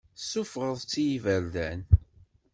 Tessufɣeḍ-tt i yiberdan.